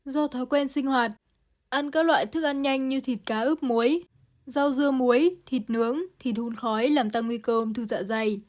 do thói quen sinh hoạt ăn các loại thức ăn nhanh như thịt cá ướp muối rau dưa muối thịt nướng thịt đun khói làm tăng nguy cơ ung thư dạ dày